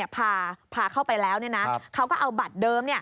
พาเข้าไปแล้วเขาก็เอาบัตรเดิม